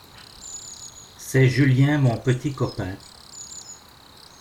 C'est Julien mon petit copain.